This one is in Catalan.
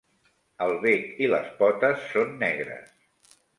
El bec i les potes són negres.